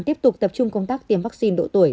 tiếp tục tập trung công tác tiêm vaccine độ tuổi